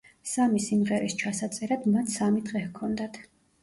სამი სიმღერის ჩასაწერად მათ სამი დღე ჰქონდათ.